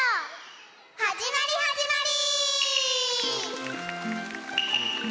はじまりはじまり。